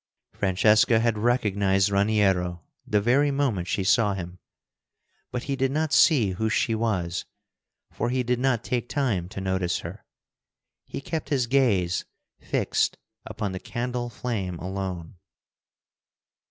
Francesca had recognized Raniero the very moment she saw him, but he did not see who she was, for he did not take time to notice her. He kept his gaze fixed upon the candle flame alone.